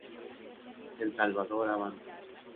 El Salvador avanza.